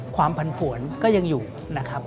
ผันผวนก็ยังอยู่นะครับ